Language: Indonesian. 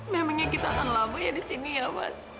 memangnya kita akan lama ya disini ya pak